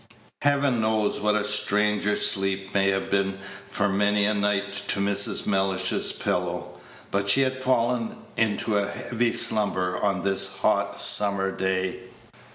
Heaven knows what a stranger sleep may have been for many a night to Mrs. Mellish's pillow, but she had fallen into a heavy slumber on this hot summer's day.